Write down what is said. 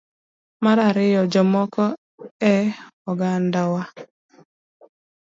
Mar ariyo, jomoko e ogandawa